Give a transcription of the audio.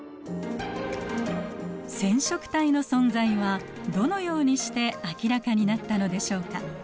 染色体の存在はどのようにして明らかになったのでしょうか。